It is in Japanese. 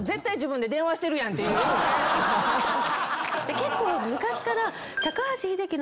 結構昔から。